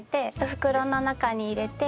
袋の中に入れて。